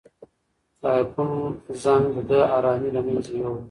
د آیفون زنګ د ده ارامي له منځه یووړه.